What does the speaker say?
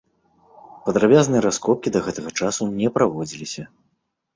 Падрабязныя раскопкі да гэтага часу не праводзіліся.